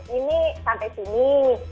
oh kasus ini sampai sini